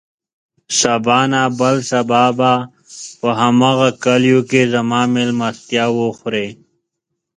سبا نه، بل سبا به په هماغه کليو کې زما مېلمستيا وخورې.